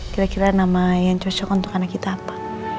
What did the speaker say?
kira kira nama yang cocok untuk anak kita apa